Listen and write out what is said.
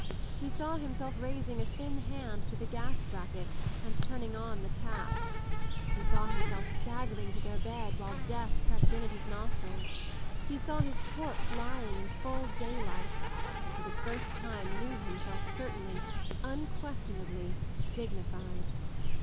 He saw himself raising a thin hand to the gas bracket and turning on the tap. He saw himself staggering to their bed while death crept in at his nostrils. He saw his corpse lying in full daylight, and for the first time knew himself certainly, unquestionably dignified.